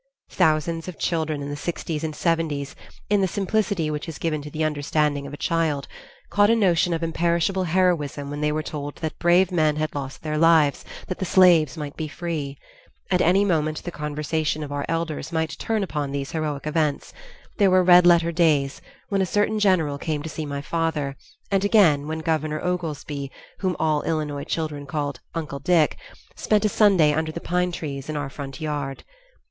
Thousands of children in the sixties and seventies, in the simplicity which is given to the understanding of a child, caught a notion of imperishable heroism when they were told that brave men had lost their lives that the slaves might be free. At any moment the conversation of our elders might turn upon these heroic events; there were red letter days, when a certain general came to see my father, and again when Governor Oglesby, whom all Illinois children called "Uncle Dick," spent a Sunday under the pine trees in our front yard.